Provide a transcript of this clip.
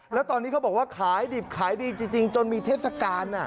แล้วตอนนี้เขาบอกว่าขายดิบขายดีจริงจนมีเทศกาล